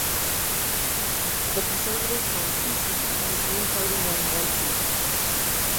The Conservatives won two seats and the Green Party won one seat.